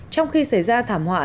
trong khi xảy ra thảm họa